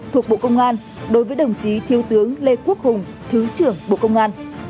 thuộc bộ công an đối với đồng chí thiếu tướng lê quốc hùng thứ trưởng bộ công an